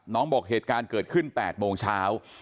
บอกเหตุการณ์เกิดขึ้น๘โมงเช้า